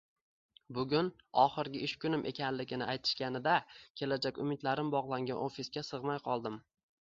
Bugun oxirgi ish kunim ekanligini aytishganida kelajak umidlarim bog`langan ofisga sig`may qoldim